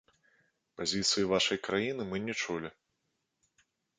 Пазіцыі вашай краіны мы не чулі.